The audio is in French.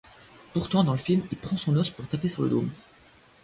Pourtant dans le film il prend son os pour taper sur le dôme.